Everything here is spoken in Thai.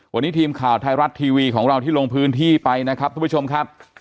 วันนี้ทีมข่าวไทยรัฐทีวีของเราที่ลงพื้นที่ไปนะครับทุกผู้ชมครับ